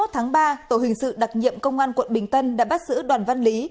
hai mươi tháng ba tổ hình sự đặc nhiệm công an quận bình tân đã bắt giữ đoàn văn lý